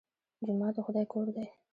جومات د خدای کور دی